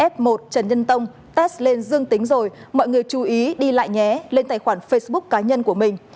f một trần nhân tông tast lên dương tính rồi mọi người chú ý đi lại nhé lên tài khoản facebook cá nhân của mình